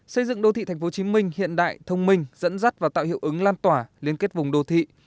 xây dựng đô thị tp hcm hiện đại thông minh dẫn dắt và tạo hiệu ứng lan tỏa liên kết vùng đô thị